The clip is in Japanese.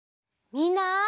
みんな。